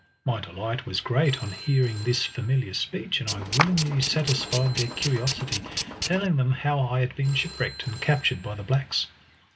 My delight was great on hearing this familiar speech, and I willingly satisfied their curiosity, telling them how I had been shipwrecked, and captured by the blacks.